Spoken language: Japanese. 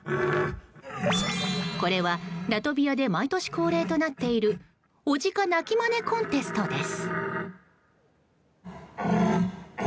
これは、ラトビアで毎年恒例となっている雄鹿鳴きまねコンテストです。